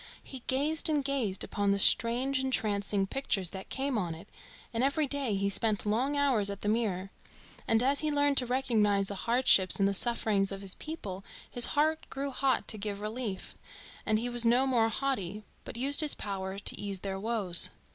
He gazed and gazed upon the strange entrancing pictures that came on it, and every day he spent long hours at the mirror. And as he learned to recognise the hardships and the sufferings of his people his heart grew hot to give relief, and he was no more haughty, but used his power to ease their woes.